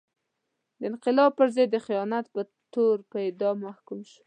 د انقلاب پر ضد د خیانت په تور په اعدام محکوم شو.